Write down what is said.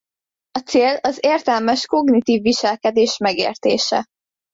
A cél az értelmes kognitív viselkedés megértése.